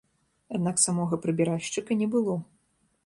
Аднак самога прыбіральшчыка не было.